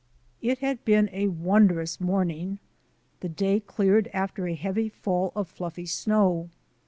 It had been a wondrous morning. The day cleared after a heavy fall of fluffy snow.